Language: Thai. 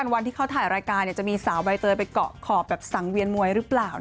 ว่าจะไปเกาะคอแบบสังเวียนมวยหรือเปล่า